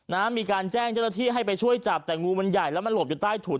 นะมีการแจ้งเจ้าหน้าที่ให้ไปช่วยจับแต่งูมันใหญ่แล้วมันหลบอยู่ใต้ถุน